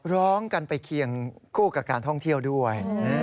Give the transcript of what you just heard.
ร้องกันไปเคียงคู่กับการท่องเที่ยวด้วย